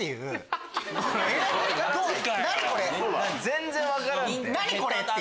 全然分からんって。